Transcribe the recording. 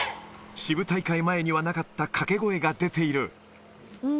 支部大会前にはなかった掛け声が出ている。